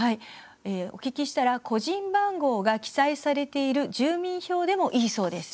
お聞きしたら個人番号が記載されている住民票でもいいそうです。